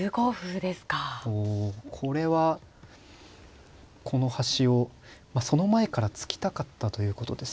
これはこの端をその前から突きたかったということですね。